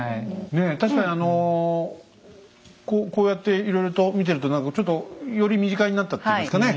ねえ確かにこうやっていろいろと見てると何かちょっとより身近になったっていいますかね